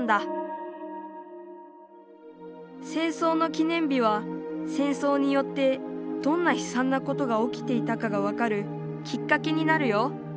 戦争の記念日は戦争によってどんなひさんなことが起きていたかが分かるきっかけになるよ。